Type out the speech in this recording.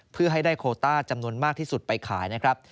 เพื่อให้ได้โคต้าจำนวนมากที่สุดไปขายนะครับ